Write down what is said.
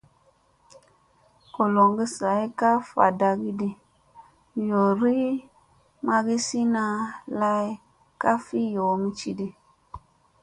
Koloŋgi zay ka vadamidi, yoorii mamisina lay ka fi yoomi cidi.